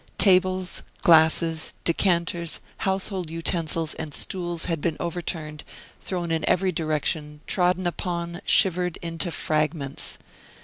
Tables, glasses, decanters, household utensils, and stools had been overturned, thrown in every direction, trodden upon, shivered into fragments.